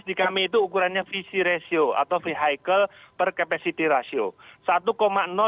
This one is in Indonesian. di kami itu ukurannya vc ratio atau vehicle per capacity ratio